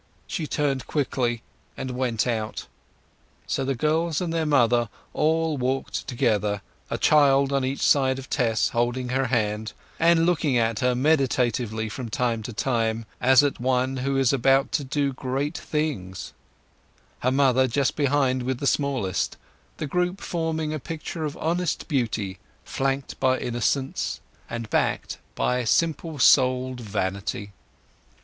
She turned quickly, and went out. So the girls and their mother all walked together, a child on each side of Tess, holding her hand and looking at her meditatively from time to time, as at one who was about to do great things; her mother just behind with the smallest; the group forming a picture of honest beauty flanked by innocence, and backed by simple souled vanity.